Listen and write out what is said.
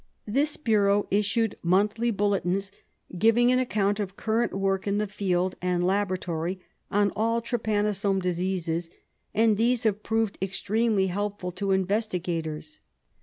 This bureau issued monthly bulletins, giving an account of current work in the field and laboratory on all trypanosome diseases, and these have proved extremely helpful to investi gators.